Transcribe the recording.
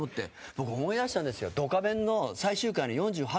僕思い出したんですよ。